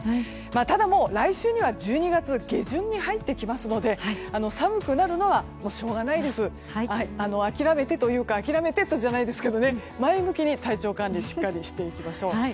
ただ、来週には１２月下旬に入ってきますので寒くなるのはしょうがないです。諦めてじゃないですけど前向きに体調管理をしっかりしていきましょう。